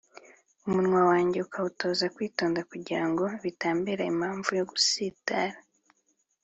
umunwa wanjye akawutoza kwitonda, kugira ngo bitambera impamvu yo gutsitara,